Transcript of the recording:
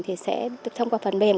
thì sẽ được thông qua phần mềm